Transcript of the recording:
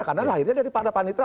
karena lahirnya dari pada panitra